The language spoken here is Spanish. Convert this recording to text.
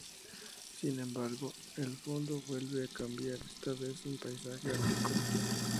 Sin embargo, el fondo vuelve a cambiar, esta vez a un paisaje ártico.